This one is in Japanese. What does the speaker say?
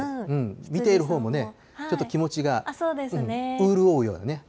見ているほうもね、ちょっと気持ちがうーるおうようにね。